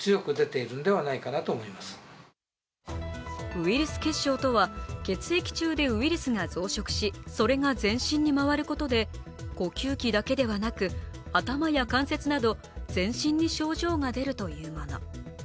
ウイルス血症とは、血液中でウイルスが増殖し、それが全身に回ることで呼吸器だけではなく頭や関節など全身に症状が出るというもの。